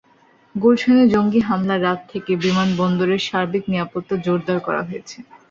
গুলশানে জঙ্গি হামলার রাত থেকেই বিমানবন্দরের সার্বিক নিরাপত্তা জোরদার করা হয়েছে।